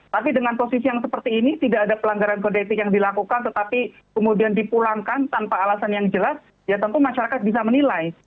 tapi dengan posisi yang seperti ini tidak ada pelanggaran kode etik yang dilakukan tetapi kemudian dipulangkan tanpa alasan yang jelas ya tentu masyarakat bisa menilai